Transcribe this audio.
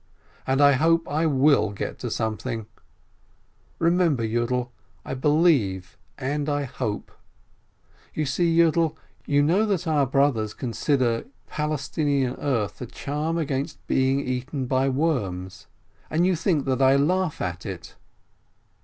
And I hope I will get to something. Remember, Yiidel, I believe and I hope! You will see, Yiidel — you know that our brothers consider Palestinian earth a charm against 50 JEHALEL being eaten by worms, and you think that I laugh at it?